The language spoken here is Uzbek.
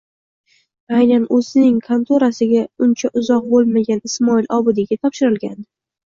aynan o'zining kantorasiga uncha uzoq bo'lmagan Ismoil Obidiyga topshirgandi.